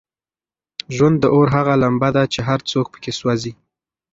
ژوند د اور هغه لمبه ده چې هر څوک پکې سوزي.